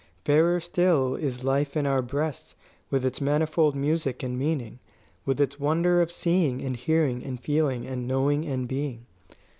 "Fairer still is life in our breasts, with its manifold music and meaning, with its wonder of seeing and hearing and feeling and knowing and being.